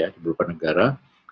di beberapa negara